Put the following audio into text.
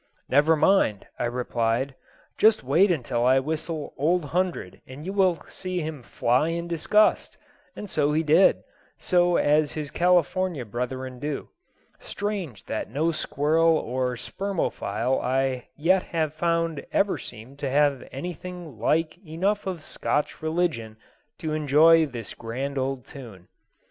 "Never mind," I replied; "just wait until I whistle 'Old Hundred' and you will see him fly in disgust." And so he did, just as his California brethren do. Strange that no squirrel or spermophile I yet have found ever seemed to have anything like enough of Scotch religion to enjoy this grand old tune.